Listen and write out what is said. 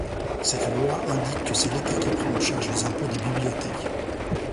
Cette loi indique que c'est l'État qui prend en charge les impôts des bibliothèques.